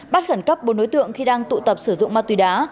bắt khẩn cấp bốn đối tượng khi đang tụ tập sử dụng ma túy đá